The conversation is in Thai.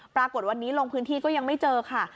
ปรากฏวันนี้ลงพื้นที่ก็ยังไม่เจอค่ะ